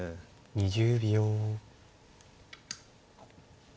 ２０秒。